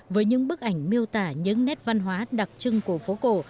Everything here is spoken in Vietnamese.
với những bức ảnh miêu tả những nét văn hóa đặc trưng của phố cổ